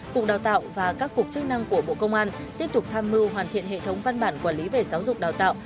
cục đào tạo và các cục chức năng của bộ công an tiếp tục tham mưu hoàn thiện hệ thống văn bản quản lý về giáo dục đào tạo